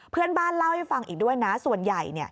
เพื่อนบ้านเล่าให้ฟังอีกด้วยนะส่วนใหญ่